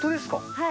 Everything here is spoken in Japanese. はい。